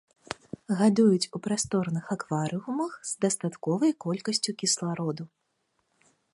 Гадуюць у прасторных акварыумах з дастатковай колькасцю кіслароду.